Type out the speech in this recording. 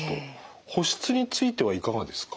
保湿についてはいかがですか？